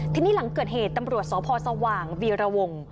ทีนี้หลังเกิดเหตุตำรวจสพสว่างวีรวง